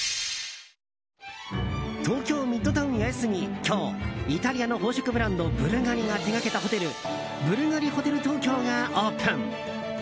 東京ミッドタウン八重洲に今日イタリアの宝飾ブランドブルガリが手がけたホテルブルガリホテル東京がオープン。